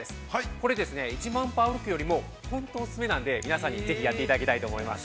これ、１万歩、歩くよりも本当におすすめなんで、皆さんに、ぜひやっていただきたいと思います。